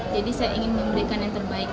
jadi saya ingin memberikan yang terbaik